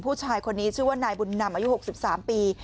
ผู้ชายคนนี้ชื่อว่านายบุญนำอายุ๖๓ปี